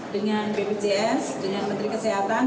dengan bpjs dengan menteri kesehatan